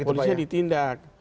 iya polisian ditindak